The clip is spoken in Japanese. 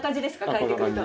帰ってくると。